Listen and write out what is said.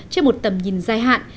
trên một tầm nhìn dài hạn